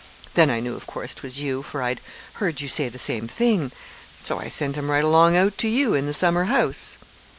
Then I knew, of course, 'twas you, for I'd heard you say the same thing. So I sent him right along out to you in the summer house."